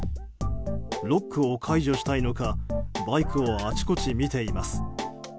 ロックを解除したいのかバイクをあちこち見ています。